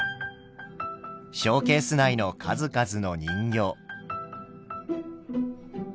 ショーケース内の数々の人形。